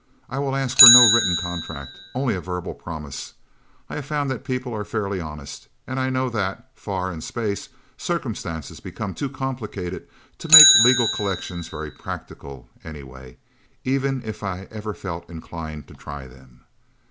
I will ask for no written contract only a verbal promise. I have found that people are fairly honest, and I know that, far in space, circumstances become too complicated to make legal collections very practical, anyway, even if I ever felt inclined to try them...